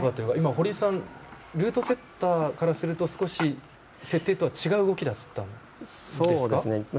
堀さん、今はルートセッターからすると設定とは違った動きだったんですか？